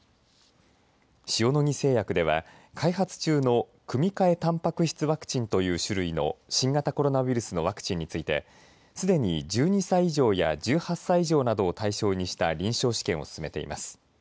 塩野義製薬では開発中の組み換えたんぱく質ワクチンという種類の新型コロナウイルスのワクチンについてすでに１２歳以上や１８歳以上などを対象にした臨床試験を進めています。